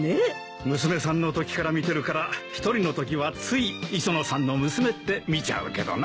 娘さんのときから見てるから１人のときはつい磯野さんの娘って見ちゃうけどな。